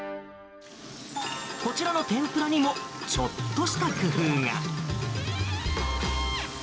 こちらの天ぷらにも、ちょっとした工夫が。